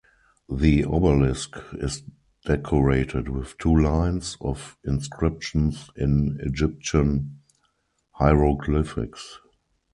The obelisk is decorated with two lines of inscriptions in Egyptian hieroglyphics.